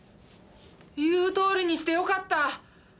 言うとおりにしてよかった！